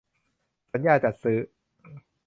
สัญญาจัดซื้อ